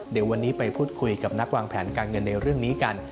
เดี๋ยววันนี้ไปพูดคุยกับนักวางแผนการเงินในเรื่องนี้กัน